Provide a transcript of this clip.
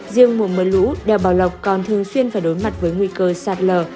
riêng mùa mưa lũ đèo bảo lộc còn thường xuyên phải đối mặt với nguy cơ sạt lở